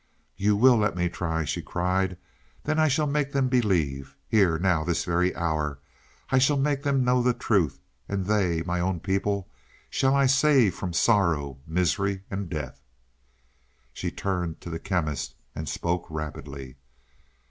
"You will let me try," she cried. "Then I shall make them believe. Here, now, this very hour, I shall make them know the truth. And they, my own people, shall I save from sorrow, misery and death." She turned to the Chemist and spoke rapidly.